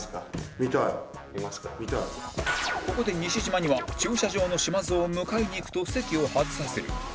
ここで西島には駐車場のしまぞうを迎えに行くと席を外させる